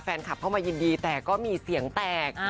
แฟนคลับเข้ามายินดีแต่ก็มีเสียงแตก